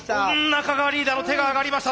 中川リーダーの手が上がりました。